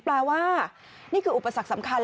แปลว่านี่คืออุปสรรคสำคัญ